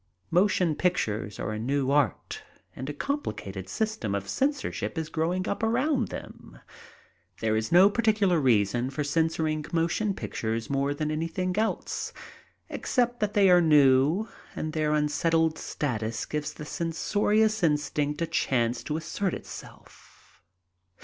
Motion pictures are a new art, and a complicated system of censorship is growing up around them. There is no particular reason for censoring motion pictures more than anything else, except that they are new and their unsettled status gives die censorious instinct a chance to assert itself.